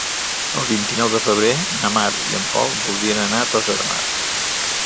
El vint-i-nou de febrer na Mar i en Pol voldrien anar a Tossa de Mar.